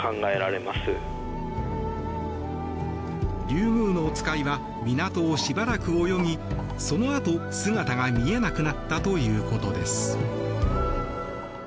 リュウグウノツカイは港をしばらく泳ぎそのあと姿が見えなくなったということです。